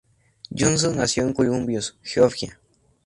Johnson nació en Columbus, Georgia.